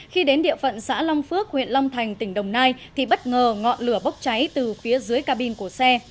khi đến địa phận xã long phước huyện long thành tỉnh đồng nai thì bất ngờ ngọn lửa bốc cháy từ phía dưới cabin của xe